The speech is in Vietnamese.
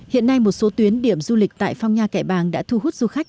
hiện nay một số tuyến điểm du lịch tại phong nha kẻ bàng đã thu hút du khách